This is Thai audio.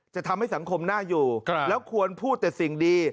จะทำให้สังคมน่าอยู่แล้วควรพูดแต่สิ่งดี